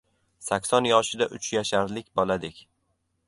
• Sakson yoshida uch yasharlik boladek.